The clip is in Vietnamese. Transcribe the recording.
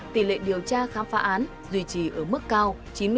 tỷ lệ điều tra khám phá án duy trì ở mức cao chín mươi sáu bảy